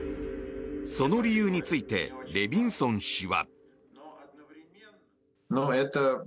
その理由についてレビンソン氏は。